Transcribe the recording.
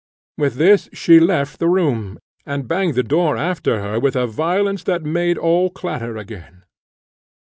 With this she left the room, and banged the door after her with a violence that made all clatter again.